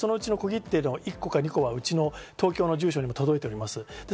そのうち小切手の１個か２個は、うちの東京の事務所にも届いています。